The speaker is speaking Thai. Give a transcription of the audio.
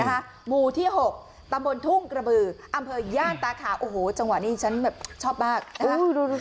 หมู่ที่๖ตำบลทุ่งกระบืออำเภอย่านตาขาวโอ้โหจังหวะนี้ฉันแบบชอบมากนะฮะ